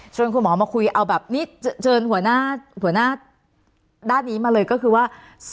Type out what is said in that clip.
คุณหมอมาคุยเอาแบบนี้เชิญหัวหน้าหัวหน้าด้านนี้มาเลยก็คือว่า